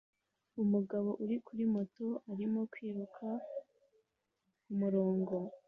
Umugabo uri kuri moto arimo kwiruka ku murongo